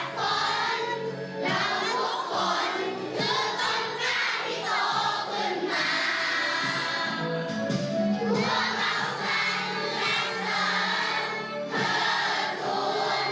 พวกเราทุกคนขอรับกล่าวขอเป็นบอกพระองค์ช่วยชาไทย